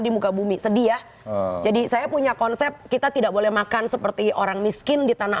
di muka bumi sedih ya jadi saya punya konsep kita tidak boleh makan seperti orang miskin di tanah